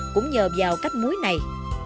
cũng nhờ vào cách muối này